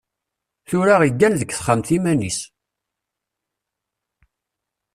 Tura iggan deg texxamt iman-is.